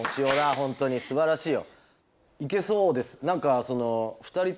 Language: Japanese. ほんとにすばらしいよ。